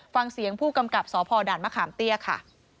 ฟังเสียงผู้กำกับสพด่านมะขามเตี้ยค่ะ